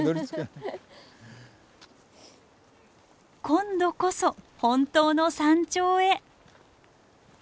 今度こそ本当の山頂へ。